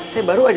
saya baru saja